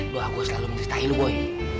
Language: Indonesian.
lo aku selalu mencintai lo boy